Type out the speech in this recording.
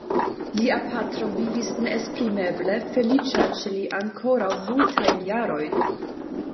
Lia patro vivis neesprimeble feliĉa ĉe li ankoraŭ multajn jarojn.